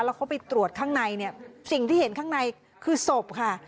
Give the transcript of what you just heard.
แล้วเขาไปตรวจข้างในเนี่ยสิ่งที่เห็นข้างในคือศพค่ะ